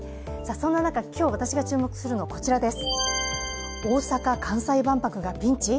そんな中私は今日注目するのはこちらです。